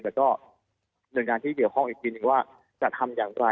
แล้วก็หน่วยงานที่เกี่ยวข้องอีกทีหนึ่งว่าจะทำอย่างไร